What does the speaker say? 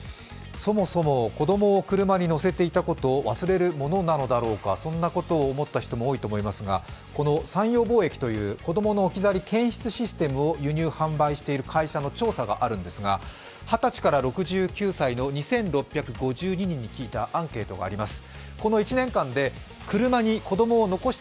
そもそも子供を車に乗せていたことを忘れるものなのだろうか、そんなことを思った人も多いと思いますが、この三洋貿易という子供の置き去り防止のシステムを輸入・販売している調査の会社があるんですが２０歳から６９歳へのアンケートがあります。